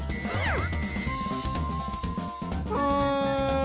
うん。